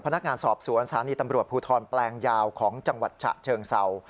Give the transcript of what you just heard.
พนักงานสอบสวนสถานีตำรวจภูทรแปลงยาวของจังหวัดฉะเชิงเศร้า